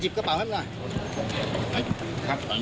เดี๋ยวเรื่อเอาหยิบกระเป๋านั่นมา